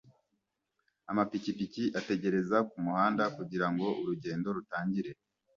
Amapikipiki ategereza kumuhanda kugirango urugendo rutangire